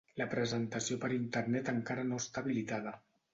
La presentació per Internet encara no està habilitada.